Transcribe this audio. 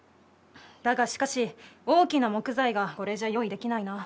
だがしかし大きな木材がこれじゃあ用意できないな。